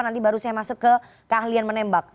nanti baru saya masuk ke keahlian menembak